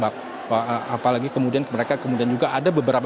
apalagi kemudian mereka kemudian juga ada beberapa